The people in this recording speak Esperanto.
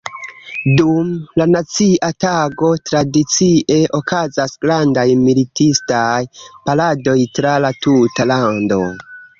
Dum la nacia tago tradicie okazas grandaj militistaj paradoj tra la tuta lando.